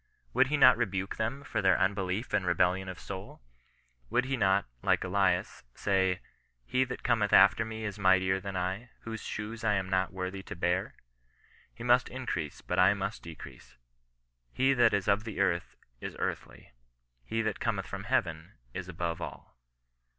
Would he not rebuke them for their unbelief and rebellion of soul ? Would he not, like Elias, say, " he that cometh after me is mightier than I, whose shoes I am not worthy to bear ?"" He must increase, but I must decrease. He that is of the earth is earthly ; he that cometh from heaven is aboys ALL."